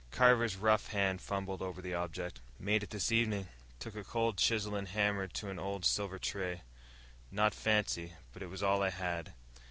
Carver's rough hand fumbled over the object. "Made it this evening. Took a cold chisel and hammer to an old silver tray. Not fancy, but it was all I had."